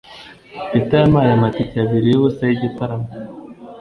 Peter yampaye amatike abiri yubusa yigitaramo